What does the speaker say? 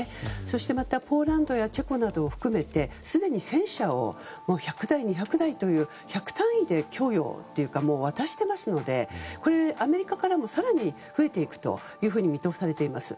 そしてまたチェコなどを含めてすでに戦車を１００台２００台という１００単位で供与というか渡していますのでアメリカからも更に増えていくというふうに見通されています。